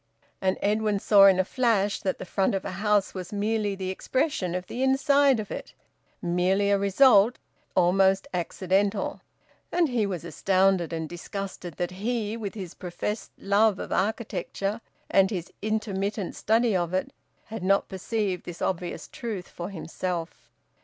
And Edwin saw in a flash that the front of a house was merely the expression of the inside of it, merely a result, almost accidental. And he was astounded and disgusted that he, with his professed love of architecture and his intermittent study of it, had not perceived this obvious truth for himself.